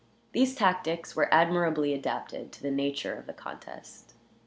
These tactics were admirably adapted to the nature of the contest.